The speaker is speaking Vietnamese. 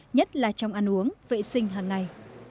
nhất là trong ăn uống vệ sinh hàng ngày